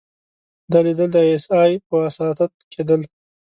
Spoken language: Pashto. دا ليدل د ای اس ای په وساطت کېدل.